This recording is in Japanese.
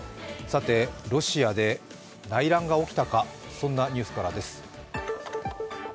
ロシアで内乱が起きたか、そんなニュースからです。